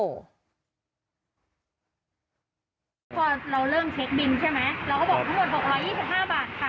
พอเราเริ่มเช็คบินใช่ไหมเราก็บอกทุกคนบอกอ๋อยี่สิบห้าบาทค่ะ